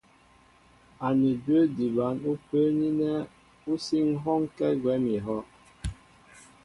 Anədwə́ di bǎn ú pə́ə́ní ánɛ́ ú sí ŋ̀hɔ́ɔ́nkɛ́ gwɛ́m kɛ́ íhɔ́'.